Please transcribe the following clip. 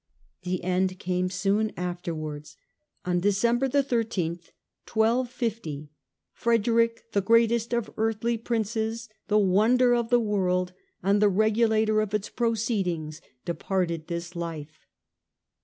The end came soon afterwards. On December the 1 3th, 1250, " Frederick, the greatest of earthly princes, the wonder of the world and the regulator of its pro ceedings, departed this life."